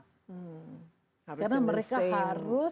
karena mereka harus